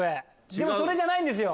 でもそれじゃないんですよ。